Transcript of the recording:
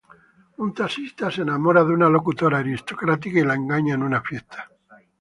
Un taxista se enamora de una locutora aristócrata y lo engaña en una fiesta.